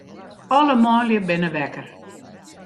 Alle manlju binne wekker.